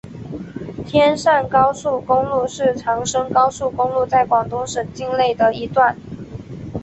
天汕高速公路是长深高速公路在广东省境内的一段。